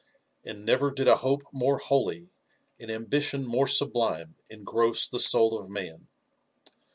And never d^d a hope more holy, an ambition more sublime, engross, the soul pf man.